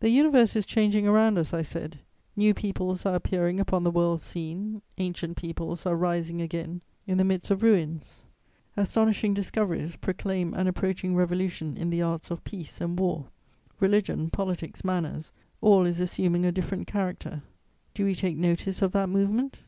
"The universe is changing around us," I said: "new peoples are appearing upon the world's scene, ancient peoples are rising again in the midst of ruins; astonishing discoveries proclaim an approaching revolution in the arts of peace and war: religion, politics, manners, all is assuming a different character. Do we take notice of that movement?